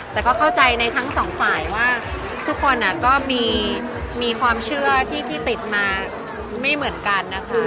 แต่ก็เข้าใจในทั้งสองฝ่ายว่าทุกคนก็มีความเชื่อที่ติดมาไม่เหมือนกันนะคะ